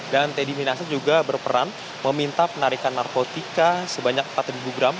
dan teddy minasa juga berperan meminta penarikan narkotika sebanyak empat ribu gram